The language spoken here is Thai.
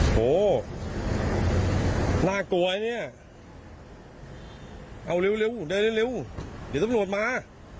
โหน่ากลัวเนี่ยเอาเร็วเร็วเดินเร็วเร็วเดี๋ยวต้องโหลดมา